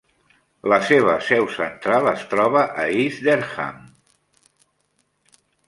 La seva seu central es troba a East Dereham.